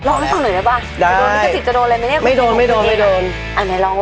ลองซองหน่อยได้ป่ะจะโดนมิกสิตจะโดนอะไรมั้ยเนี่ยคุณแข่งของคุณเนี่ยไงอ่ะไหนลอง